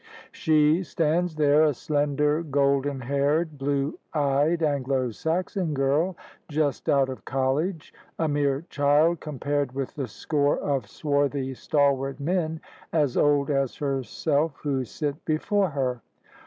She stands there a slender, golden haired, blue eyed Anglo Saxon girl just out of college — a mere child com pared with the score of swarthy, stalwart men as old as herseK who sit before her.